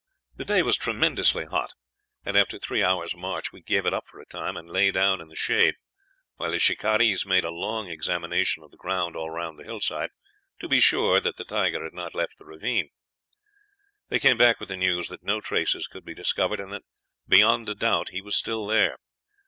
"The day was tremendously hot, and, after three hours' march, we gave it up for a time, and lay down in the shade, while the shikarees made a long examination of the ground all round the hillside, to be sure that he had not left the ravine. They came back with the news that no traces could be discovered, and that, beyond a doubt, he was still there.